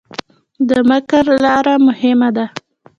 د مقر لاره مهمه ده